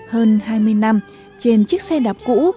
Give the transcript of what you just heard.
hơn hai mươi năm trên chiếc xe đạp cũ